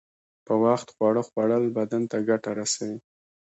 په وخت خواړه خوړل بدن ته گټه رسوي.